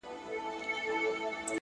هوښیار انتخاب اوږدمهاله ګټه راوړي.!